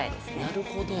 なるほど。